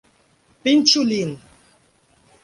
Pinĉu lin!